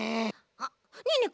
あっねえねえ